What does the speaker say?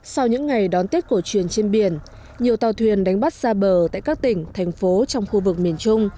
sau những ngày đón tết cổ truyền trên biển nhiều tàu thuyền đánh bắt xa bờ tại các tỉnh thành phố trong khu vực miền trung